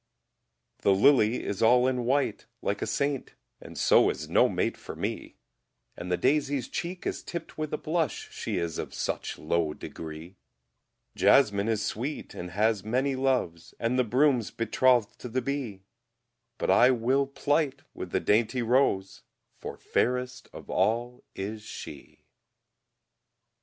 The lily is all in white, like a saint, And so is no mate for me And the daisy's cheek is tipped with a blush, She is of such low degree; Jasmine is sweet, and has many loves, And the broom's betroth'd to the bee; But I will plight with the dainty rose, For fairest of all is she.